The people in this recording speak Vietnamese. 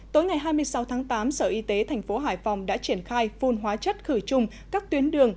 tối ngày hai mươi sáu tháng tám sở y tế thành phố hải phòng đã triển khai phun hóa chất khử trùng các tuyến đường